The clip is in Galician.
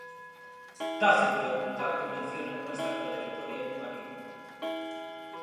Tácito e Plutarco mencionan unha estatua de Vitoria nunha biga.